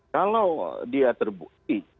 kalau dia terbukti